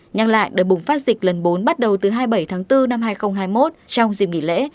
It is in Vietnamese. nhắc lại đợt bùng phát dịch lần bốn bắt đầu từ hai mươi bảy tháng bốn năm hai nghìn hai mươi một trong dịp nghỉ lễ